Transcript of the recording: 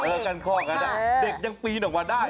เหมือนกั้นข้อกาได้ดินตีลงมาได้เลย